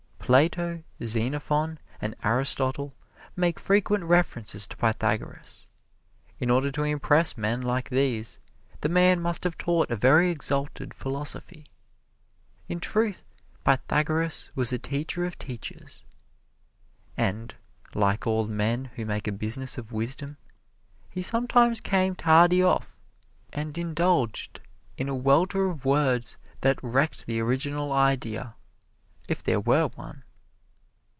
Plato, Xenophon and Aristotle make frequent references to Pythagoras. In order to impress men like these, the man must have taught a very exalted philosophy. In truth, Pythagoras was a teacher of teachers. And like all men who make a business of wisdom he sometimes came tardy off, and indulged in a welter of words that wrecked the original idea if there were one.